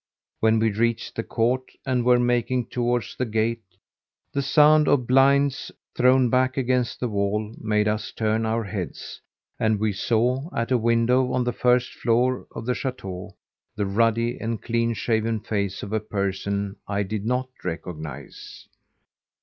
When we reached the court and were making towards the gate, the sound of blinds thrown back against the wall made us turn our heads, and we saw, at a window on the first floor of the chateau, the ruddy and clean shaven face of a person I did not recognise.